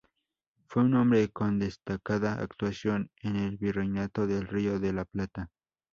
Fue un hombre con destacada actuación en el Virreinato del Río de la Plata.